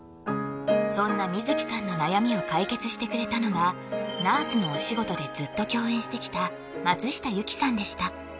そんな観月さんの悩みを解決してくれたのが「ナースのお仕事」でずっと共演してきた松下由樹さんでした